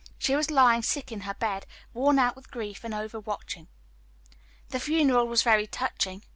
She was lying sick in her bed, worn out with grief and over watching. "The funeral was very touching.